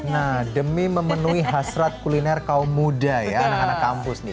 nah demi memenuhi hasrat kuliner kaum muda ya anak anak kampus nih